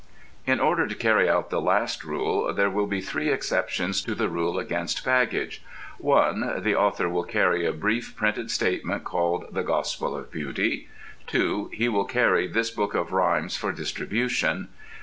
In order to carry out the last rule there will be three exceptions to the rule against baggage. (1) The author will carry a brief printed statement, called "The Gospel of Beauty." (2) He will carry this book of rhymes for distribution.